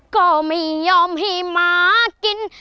ก็ไม่ยอมให้หมากิน